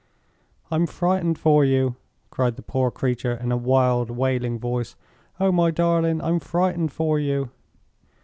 "I'm frightened for you!" cried the poor creature, in a wild, wailing voice. "Oh, my darling, I'm frightened for you!"